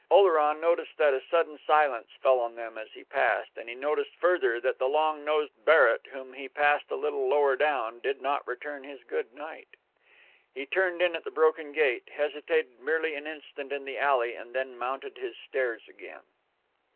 Oleron noticed that a sudden silence fell on them as he passed, and he noticed further that the long nosed Barrett, whom he passed a little lower down, did not return his good night. He turned in at the broken gate, hesitated merely an instant in the alley, and then mounted his stairs again.